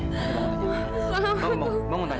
bismillah wrestt kasiiending coisa